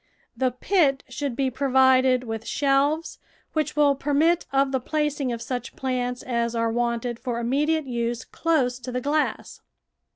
The pit should be provided with shelves, which will permit of the placing of such plants as are wanted for immediate use close to the glass.